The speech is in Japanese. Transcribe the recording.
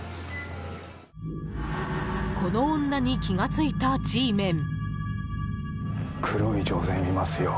この女に気がついたＧメン。